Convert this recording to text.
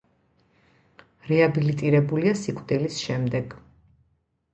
რეაბილიტირებულია სიკვდილის შემდეგ.